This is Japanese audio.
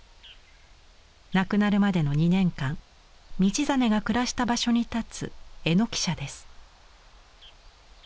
亡くなるまでの２年間道真が暮らした場所に立つ「榎社」です。